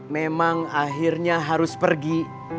memang akhirnya harus pergi